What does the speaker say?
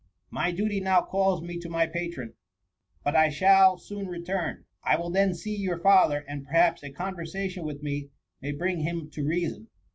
My duty now calls me to my patron, THE MUMMT, 111 but I shall soon return ; I will then see your father, and perhaps a conversation with me may bring him to reason."